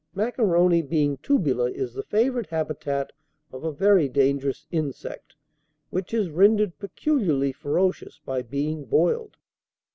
Macaroni, being tubular, is the favorite habitat of a very dangerous insect, which is rendered peculiarly ferocious by being boiled.